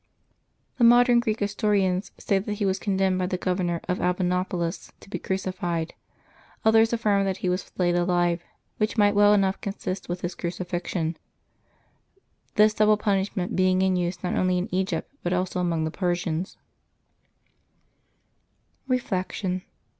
The modern Greek historians say that he was condemned by the governor of Albanopolis to be crucified. Others affirm that he was flayed alive, which might well enough consist with his crucifixion, this double punishment being in use not only in Egypt, but also among the Persians. August 25] LIVES OF THE SAINTS 293 Reflection.